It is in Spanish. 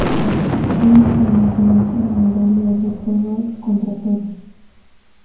Una sola rueda con la modalidad de todos contra todos.